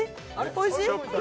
おいしい？